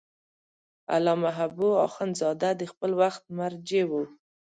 علامه حبو اخند زاده د خپل وخت مرجع و.